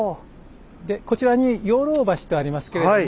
でこちらに養老橋とありますけれども。